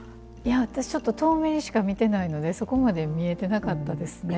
私、ちょっと遠目にしか見てないのでそこまで見えてなかったですね。